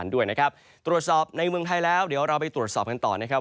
ด้วยนะครับตรวจสอบในเมืองไทยแล้วเดี๋ยวเราไปตรวจสอบกันต่อนะครับ